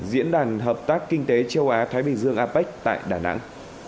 diễn đàn hợp tác kinh tế châu á thái bình dương apec tại đà nẵng